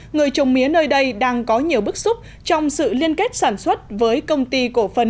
người trồng mía nơi đây đang có nhiều bức xúc trong sự liên kết sản xuất với công ty cổ phần